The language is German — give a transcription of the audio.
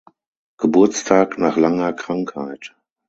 Geburtstag nach langer Krankheit.